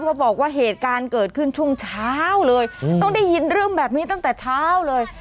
บอกว่าเหตุการณ์เกิดขึ้นช่วงเช้าเลยต้องได้ยินเรื่องแบบนี้ตั้งแต่เช้าเลย